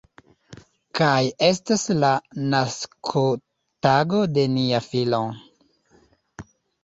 Kaj estas la naskotago de nia filo.